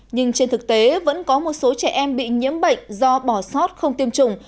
nhưng trên thực tế vẫn có một số trẻ em bị nhiễm bệnh do bỏ sót không tiêm chủng